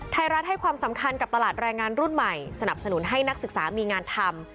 ไทยรัฐให้ความสำคัญกับตลาดแรงงานรุ่นใหม่สนับสนุนให้นักศึกษามีงานทำ